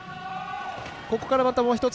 ここからもう１つ